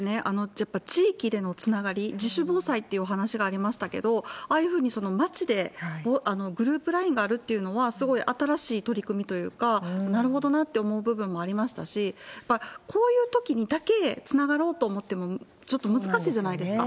やっぱ地域でのつながり、自主防災っていうお話がありましたけれども、ああいうふうに町でグループＬＩＮＥがあるっていうのは、すごい新しい取り組みというか、なるほどなと思う部分もありましたし、こういうときにだけつながろうと思ってもちょっと難しいじゃないですか。